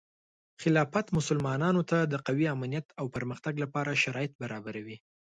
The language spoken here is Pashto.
خلافت مسلمانانو ته د قوي امنیت او پرمختګ لپاره شرایط برابروي.